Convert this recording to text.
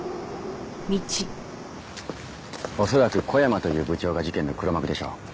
恐らく小山という部長が事件の黒幕でしょう。